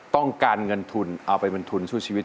ต้องการเงินทุนเอาไปเป็นทุนสู้ชีวิต